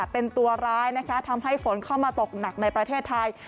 เป็นตัวร้ายนะคะทำให้ฝนเข้ามาตกหนักในประเทศไทย